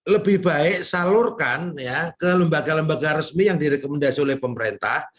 lebih baik salurkan ya ke lembaga lembaga resmi yang direkomendasi oleh pemerintah